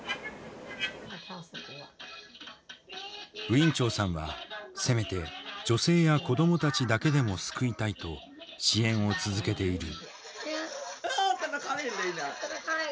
ウィン・チョウさんはせめて女性や子供たちだけでも救いたいと支援を続けている。